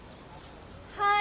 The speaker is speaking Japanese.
・はい。